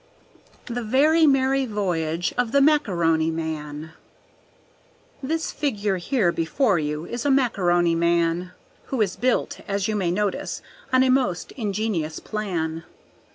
The Very Merry Voyage of the Macaroni Man This figure here before you is a Macaroni Man, Who is built, as you may notice, on a most ingenious plan.